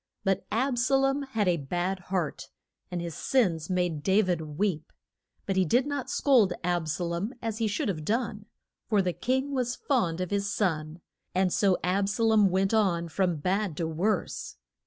But Ab sa lom had a bad heart, and his sins made Da vid weep. But he did not scold Ab sa lom as he should have done, for the king was fond of his son, and so Ab sa lom went on from bad to worse.